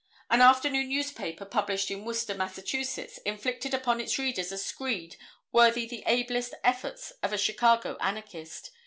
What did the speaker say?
An afternoon newspaper published in Worcester, Mass., inflicted upon its readers a screed worthy the ablest efforts of a Chicago anarchist.